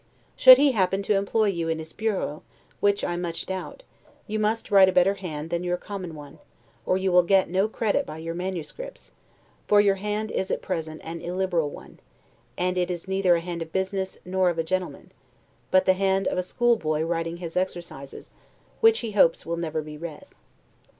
Should he happen to employ you in his bureau, which I much doubt, you must write a better hand than your common one, or you will get no credit by your manuscripts; for your hand is at present an illiberal one; it is neither a hand of business nor of a gentleman, but the hand of a school boy writing his exercise, which he hopes will never be read.